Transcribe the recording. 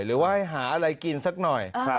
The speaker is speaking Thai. หรือว่าให้หาอะไรกินสักหน่อย